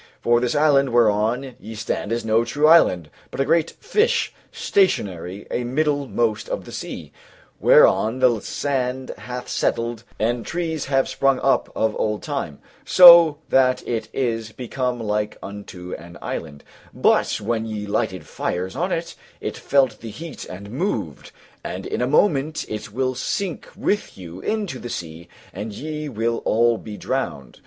For this island whereon ye stand is no true island, but a great fish stationary a middlemost of the sea, whereon the sand hath settled and trees have sprung up of old time, so that it is become like unto an island; but when ye lighted fires on it, it felt the heat and moved; and in a moment it will sink with you into the sea and ye will all be drowned.